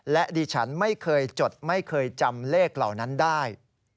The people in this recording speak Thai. และดิฉันไม่เคยจดไม่เคยจำเลขเหล่านั้นได้